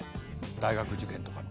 大学受験とかの。